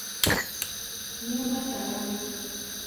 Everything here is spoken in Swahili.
nyumba salama